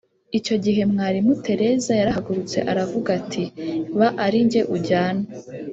Icyo gihe Mwalimu Tereza yarahagurutse aravuga ati ‘ba ari jye ujyana